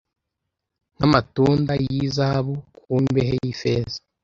nk’amatunda y’izahabu ku mbehe y’ifeza